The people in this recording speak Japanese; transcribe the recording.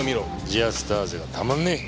ジアスターゼがたまんねえ。